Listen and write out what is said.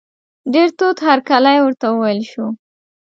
ډېر تود هرکلی ورته وویل شو.